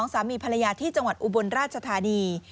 ๒สามีพันธุ์ระยาที่จังหวัดอุบลราชธานี